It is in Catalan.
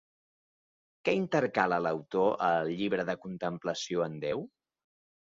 Què intercala l'autor a El Llibre de contemplació en Déu?